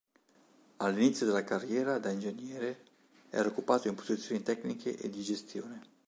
All'inizio della carriera da ingegnere era occupato in posizioni tecniche e di gestione.